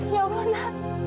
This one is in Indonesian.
ya allah nak